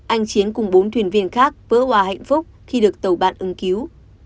anh chiến cùng bốn thuyền viên khác vỡ hoa hạnh phúc khi được tàu bạn ứng cứu